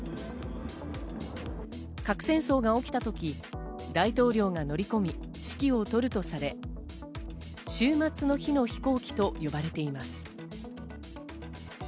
核戦争が起きたとき大統領が乗り込み、指揮を執るとされ、終末の日の飛行機と呼ばれています。